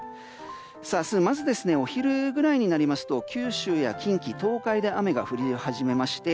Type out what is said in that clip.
明日、まずお昼ぐらいになりますと九州や近畿・東海で雨が降り初めまして